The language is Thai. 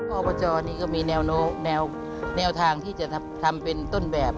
อบจนี่ก็มีแนวทางที่จะทำเป็นต้นแบบ